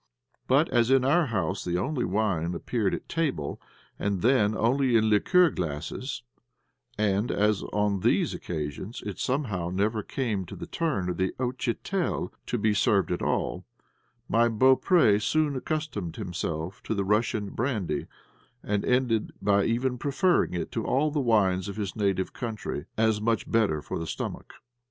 But, as in our house the wine only appeared at table, and then only in liqueur glasses, and as on these occasions it somehow never came to the turn of the "outchitel" to be served at all, my Beaupré soon accustomed himself to the Russian brandy, and ended by even preferring it to all the wines of his native country as much better for the stomach.